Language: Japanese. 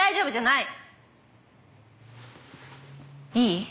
いい？